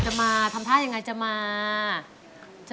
แก้มขอมาสู้เพื่อกล่องเสียงให้กับคุณพ่อใหม่นะครับ